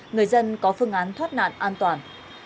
người dân có phương án thoát nạn an toàn